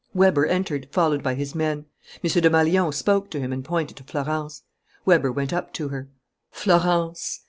Weber entered, followed by his men. M. Desmalions spoke to him and pointed to Florence. Weber went up to her. "Florence!"